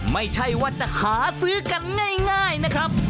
ไม่ใช่ว่าจะหาซื้อกันง่ายนะครับ